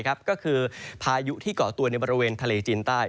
ก็คือพายุที่เกาะตัวในบริเวณทะเลจีนใต้